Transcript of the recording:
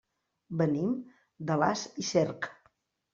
Venim d'Alàs i Cerc.